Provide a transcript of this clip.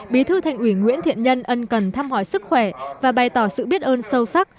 bí thư thành ủy nguyễn thiện nhân ân cần thăm hỏi sức khỏe và bày tỏ sự biết ơn sâu sắc